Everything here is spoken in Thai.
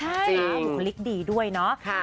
แล้วมีคลิกดีด้วยเนอะ